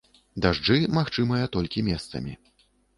Дажджы магчымыя толькі месцамі.